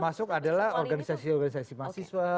masuk adalah organisasi organisasi mahasiswa